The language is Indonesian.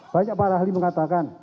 banyak para ahli mengatakan